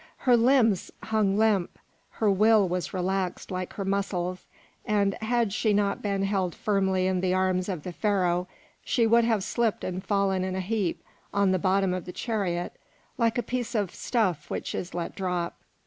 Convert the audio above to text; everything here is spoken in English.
Her limbs hung limp; her will was relaxed like her muscles, and, had she not been held firmly in the arms of the Pharaoh, she would have slipped and fallen in a heap on the bottom of the chariot like a piece of stuff which is let drop.